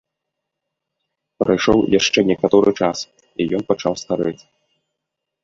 Прайшоў яшчэ некаторы час, і ён пачаў старэць.